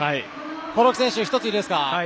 興梠選手１ついいですか？